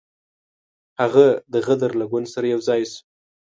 هغه د غدر له ګوند سره یو ځای شو.